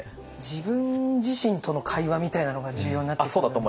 自分自身との会話みたいなのが重要になってくるんですかね？